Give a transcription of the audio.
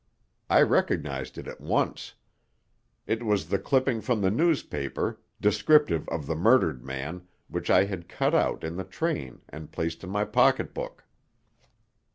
I recognized it at once. It was the clipping from the newspaper, descriptive of the murdered man, which I had cut out in the train and placed in my pocketbook.